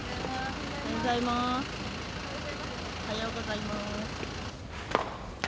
おはようございます。